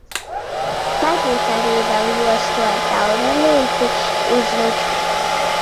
Varbūt arī vēl jostu ar taurenīti uzlikt?